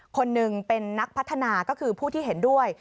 คนหนึ่งเป็นนักพัฒนาก็คือผู้ที่เห็นด้วย